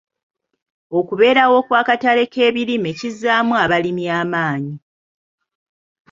Okubeerawo kw'akatale k'ebirime kizzaamu abalimi amaanyi.